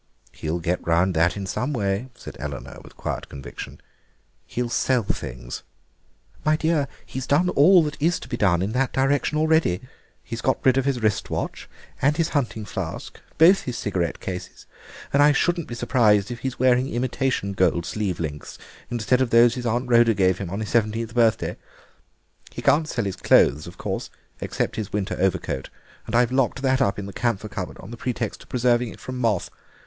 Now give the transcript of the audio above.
"He'll get round that in some way," said Eleanor with quiet conviction; "he'll sell things." "My dear, he's done all that is to be done in that direction already. He's got rid of his wrist watch and his hunting flask and both his cigarette cases, and I shouldn't be surprised if he's wearing imitation gold sleeve links instead of those his Aunt Rhoda gave him on his seventeenth birthday. He can't sell his clothes, of course, except his winter overcoat, and I've locked that up in the camphor cupboard on the pretext of preserving it from moth.